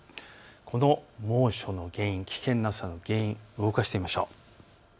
この猛暑の原因、危険な暑さの原因、動かしてみましょう。